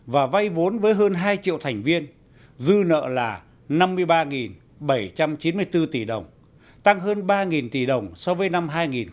và vay vốn với hơn hai triệu thành viên dư nợ là năm mươi ba bảy trăm chín mươi bốn tỷ đồng tăng hơn ba tỷ đồng so với năm hai nghìn một mươi bảy